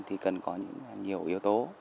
thì cần có nhiều yếu tố